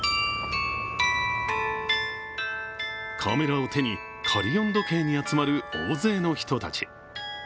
カメラを手にカリヨン時計に集まる大勢の人たち。